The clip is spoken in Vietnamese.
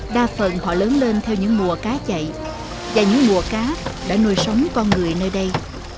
đa phần họ lớn lên theo những mùa cá chậy và những mùa cá đã nuôi sống con người nơi đây